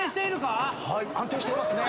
はい安定していますね。